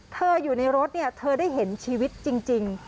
เธออยู่ในรถเธอได้เห็นชีวิตจริง